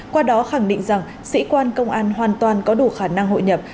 qua đó khẳng định rằng sĩ quan công an hoàn toàn có đủ khả năng hội nhập